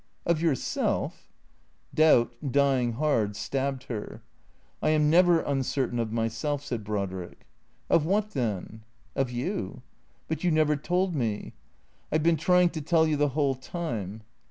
" Of yourself ?" Doubt, dying hard, staljbed her. " I am never uncertain of myself," said Brodrick. "Of what, then?" " Of you." " But you never told me." " I 've been trying to tell you the whole time."